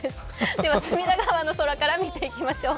では隅田川の空から見ていきましょう。